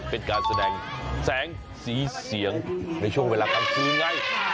เป็นการแสดงแสงสีเสียงในช่วงเวลากลางคืนไง